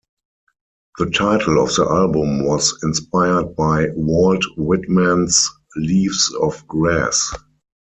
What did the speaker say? The title of the album was inspired by Walt Whitman's "Leaves of Grass".